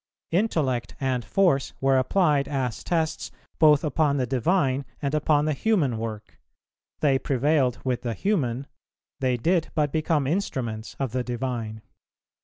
Intellect and force were applied as tests both upon the divine and upon the human work; they prevailed with the human, they did but become instruments of the Divine.